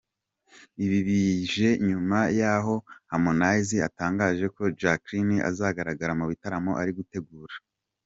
Ibi bije nyuma y’aho Harmonize atangaje ko Jackline azagaragara mu bitaramo ari gutegura.